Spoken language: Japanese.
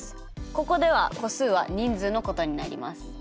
ここでは個数は人数のことになります。